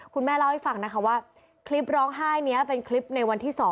คุณแม่เล่าให้ฟังนะคะว่าคลิปร้องไห้นี้เป็นคลิปในวันที่๒